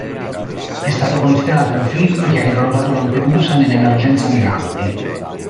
È stato considerato un film che ha rivalutato Lampedusa nell'"emergenza migranti".